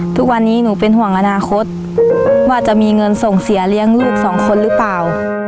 ทุกวันนี้หนูเป็นห่วงอนาคตว่าจะมีเงินส่งเสียเลี้ยงลูกสองคนหรือเปล่า